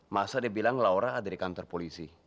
masa dia bilang laura ada di kantor polisi